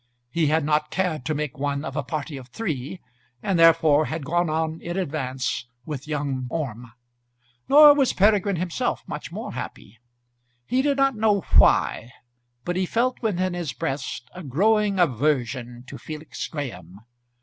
He had not cared to make one of a party of three, and therefore had gone on in advance with young Orme. Nor was Peregrine himself much more happy. He did not know why, but he felt within his breast a growing aversion to Felix Graham.